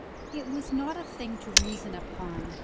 It was not a thing to reason upon.